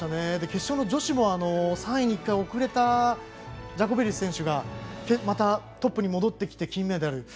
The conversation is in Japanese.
決勝の女子も３位に１回遅れたジャコベリス選手がまたトップに戻ってきて金メダル。